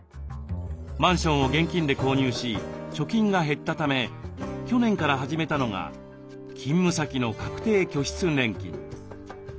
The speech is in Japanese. マンションを現金で購入し貯金が減ったため去年から始めたのが勤務先の確定拠出年金。